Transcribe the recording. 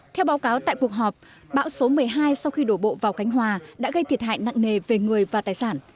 theo báo cáo tại cuộc họp bão số một mươi hai sau khi đổ bộ vào khánh hòa đã gây thiệt hại nặng nề về người và tài sản